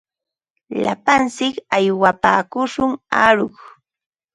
Lapantsik aywapaakushun aruq.